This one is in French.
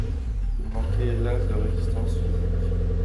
Il manquait hélas de résistance physique.